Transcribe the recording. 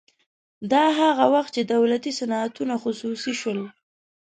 دا هغه وخت چې دولتي صنعتونه خصوصي شول